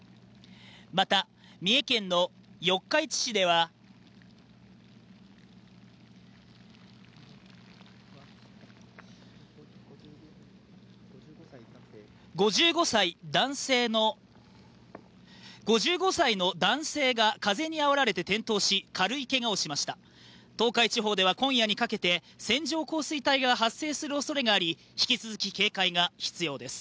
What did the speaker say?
また三重県の四日市市では５５歳の男性が風にあおられて転倒し軽いけがをしました東海地方では今夜にかけて線状降水帯が発生するおそれがあり引き続き警戒が必要です